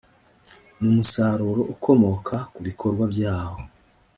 n umusaruro ukomoka ku bikorwa byawo